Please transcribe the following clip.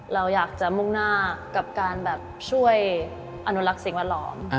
เราอยากจะมุ่งหน้ากับการแบบช่วยอนุรักษ์สิ่งแวดล้อม